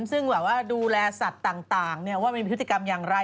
ซึ่งแบบว่าดูแลสัตว์ต่างว่ามันมีพฤติกรรมอย่างไร